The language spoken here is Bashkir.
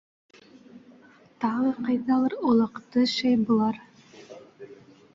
Тағы ҡайҙалыр олаҡты, шәй, былар...